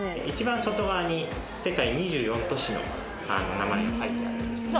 外側に世界２４都市の名前が書いてあります。